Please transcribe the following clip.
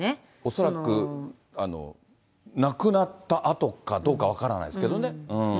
恐らく、亡くなったあとかどうか分からないですけどね。